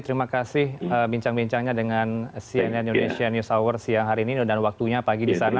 terima kasih bincang bincangnya dengan cnn indonesia news hour siang hari ini dan waktunya pagi di sana